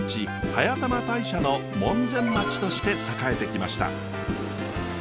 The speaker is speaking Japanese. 速玉大社の門前町として栄えてきました。